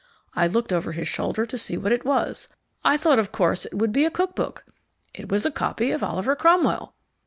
I looked over his shoulder to see what it was. I thought of course it would be a cook book. It was a copy of Oliver Cromwell."